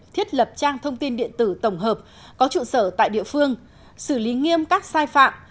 thiết lập trang thông tin điện tử tổng hợp có trụ sở tại địa phương xử lý nghiêm các sai phạm